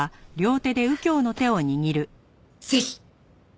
ぜひ。